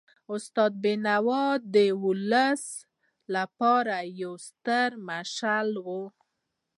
استاد بینوا د ولس لپاره یو ستر مشعل و.